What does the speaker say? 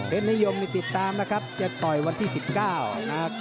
นิยมนี่ติดตามนะครับจะต่อยวันที่๑๙นะครับ